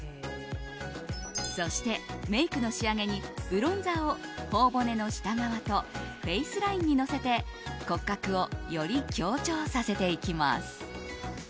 そしてメイクの仕上げにブロンザーを頬骨の下側とフェイスラインにのせて骨格をより強調させていきます。